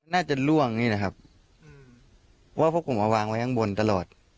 น่าจะล่วงนี่แหละครับว่าพวกผมเอาวางไว้ข้างบนตลอด